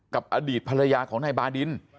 กับอดีตภรรยาของนายบาดิน